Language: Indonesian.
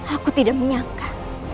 aku tidak menyangka